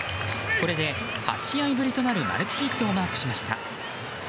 これで８試合ぶりとなるマルチヒットをマークしました。